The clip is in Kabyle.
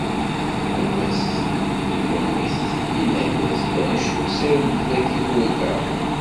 Baba-s ilumm-it, inna-as: D acu-tt targit-agi i turgaḍ?